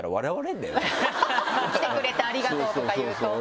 「来てくれてありがとう」とか言うと。